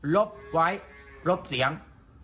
ลบไว้ลบเสียง